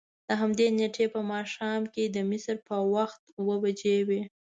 د همدې نېټې په ماښام چې د مصر په وخت اوه بجې وې.